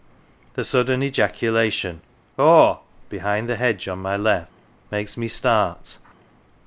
The sudden ejacula tion " Haw !"" behind the hedge on my left makes me start.